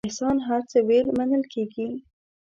احسان هر څه ویل منل کېږي.